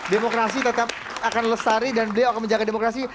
demokrasi tetap akan lestari dan beliau akan menjaga demokrasi